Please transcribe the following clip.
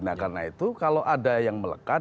nah karena itu kalau ada yang melekat